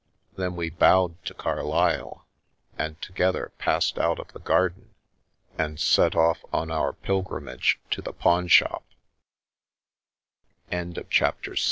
Then we bowed to Carlyle, and together passed out of the garden and set off on our pilgrimage to the pawnsho